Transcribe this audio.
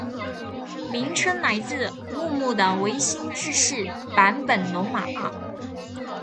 名称来自幕末的维新志士坂本龙马。